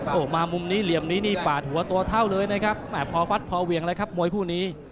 โอ้โหมามุมนี้เหลี่ยมนี้นี่ปาดหัวตัวเท่าเลยนะครับพอฟัดพอเหวี่ยงเลยครับมวยคู่นี้